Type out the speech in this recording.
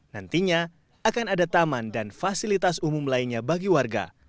nantinya akan ada taman dan fasilitas umum lainnya bagi warga